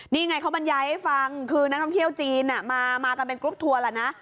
นี่ไงเขาบรรยายให้ฟังคือนักท่องเที่ยวจีนมากันเป็นกรุ๊ปทัวร์แล้วนะ